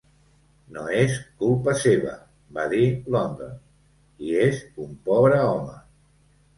"No és culpa seva", va dir London. "I és un pobre home".